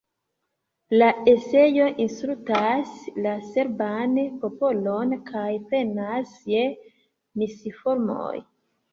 La eseo insultas la serban popolon kaj plenas je misinformoj.